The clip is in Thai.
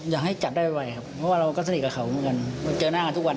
อยากให้จับได้ไวครับเพราะว่าเราก็สนิทกับเขาเหมือนกันเจอหน้ากันทุกวัน